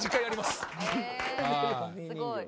すごい。